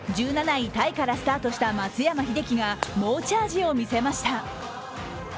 １７位タイからスタートした松山英樹が猛チャージを見せました。